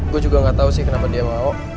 gue juga gak tahu sih kenapa dia mau